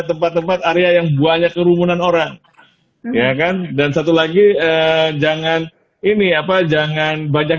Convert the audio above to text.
tempat tempat area yang banyak kerumunan orang ya kan dan satu lagi jangan ini apa jangan banyak